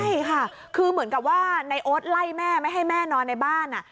ใช่ค่ะคือเหมือนกับว่าในโอ๊ตไล่แม่ไม่ให้แม่นอนในบ้าน